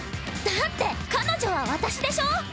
だって彼女は私でしょ？